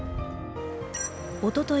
おととい